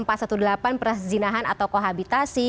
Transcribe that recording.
perhasil zinahan atau kohabitasi